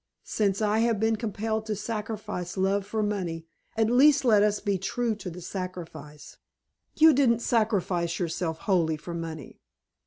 Since I have been compelled to sacrifice love for money, at least let us be true to the sacrifice." "You didn't sacrifice yourself wholly for money."